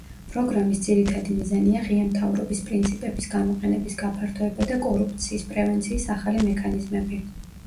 პროგრამის ძირითადი მიზანია ღია მთავრობის პრინციპების გამოყენების გაფართოება და კორუფციის პრევენციის ახალი მექანიზმები.